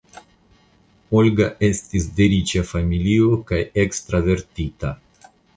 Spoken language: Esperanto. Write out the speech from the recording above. Olga estis de riĉa familio kaj ekstravertita.